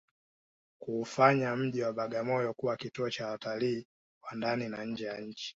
kuufanya mji wa Bagamoyo kuwa kituo cha watalii wa ndani na nje ya nchini